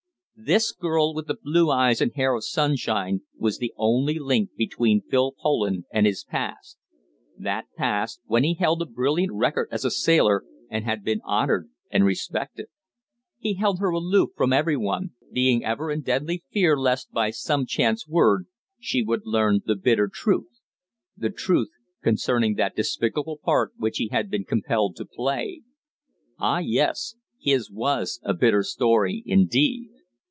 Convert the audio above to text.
This girl with the blue eyes and hair of sunshine was the only link between Phil Poland and his past that past when he held a brilliant record as a sailor and had been honoured and respected. He held her aloof from every one, being ever in deadly fear lest, by some chance word, she should learn the bitter truth the truth concerning that despicable part which he had been compelled to play. Ah, yes, his was a bitter story indeed.